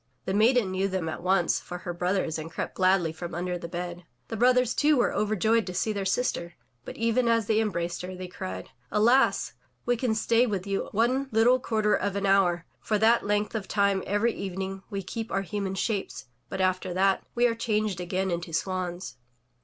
The maiden knew them at once for her brothers and crept gladly from under the bed. The brothers, too, were overjoyed to see their sister, but even as they embraced her, they cried: '*Alas! we can only stay with you one httle quarter of an hour. For that length of time every evening we keep our human shapes, but after that we are changed again into swans.''